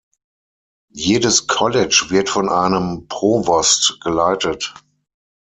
Jedes College wird von einem "Provost" geleitet.